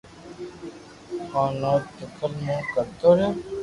ھون تو دڪل مون ڪرتو رھيو